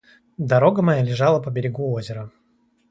Дорога моя лежала по берегу озера.